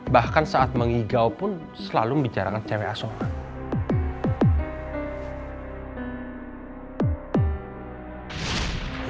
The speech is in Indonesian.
bahkan saat mengigau pun selalu membicarakan cewek asongan